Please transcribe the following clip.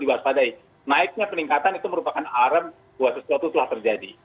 dibuat padahal naiknya peningkatan itu merupakan arem buat sesuatu telah terjadi